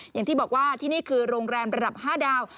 อย่างที่บอกว่าที่นี่คือโรงแรมระดับ๕ดาว